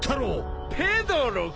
ペドロか。